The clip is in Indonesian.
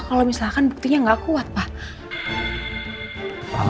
kalo misalkan buktinya gak kuat pak